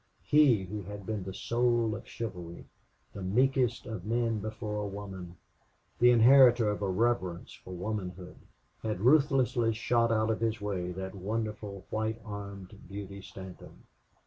He, who had been the soul of chivalry, the meekest of men before a woman, the inheritor of a reverence for womanhood, had ruthlessly shot out of his way that wonderful white armed Beauty Stanton.